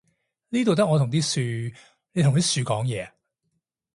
呢度得我同啲樹，你同啲樹講嘢呀？